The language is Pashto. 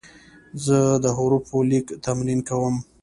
زه د حروفو لیک تمرین کوم.